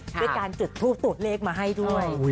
เพื่อการสืบทรวดเลขมาให้ด้วย